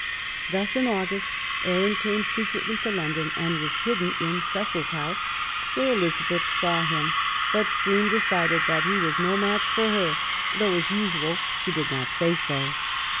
So, in August, Arran came secretly to London and was hidden in Cecil's house, where Elizabeth saw him, but soon decided that he was no match for her, though, as usual, she did not say so.